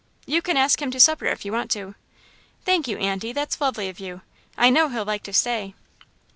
"You can ask him to supper if you want to." "Thank you, Aunty, that's lovely of you. I know he'll like to stay."